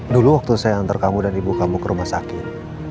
dulu waktu saya antar kamu dan ibu kamu ke rumah sakit